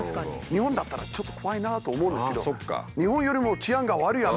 日本だったらちょっと怖いなと思うんですけど。